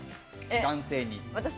男性に。